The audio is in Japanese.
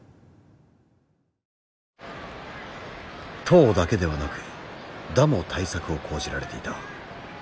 投だけではなく打も対策を講じられていた。